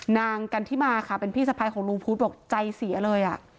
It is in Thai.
นางกันที่มาค่ะเป็นพี่สะพ้ายของลุงพุทธบอกใจเสียเลย